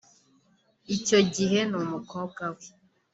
Icyo gihe n’umukobwa we